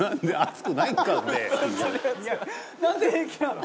「なんで平気なの？」